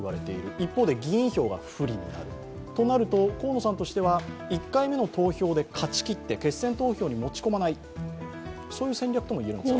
一方で議員票が不利になるとなると、河野さんとしては決選投票に持ち込まないという戦略ともいえるんですか。